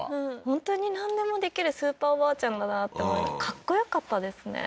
本当になんでもできるスーパーおばあちゃんだなってかっこよかったですね